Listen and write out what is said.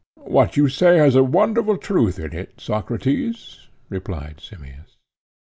What you say has a wonderful truth in it, Socrates, replied Simmias.